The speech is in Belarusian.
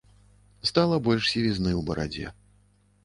Стала больш сівізны ў барадзе.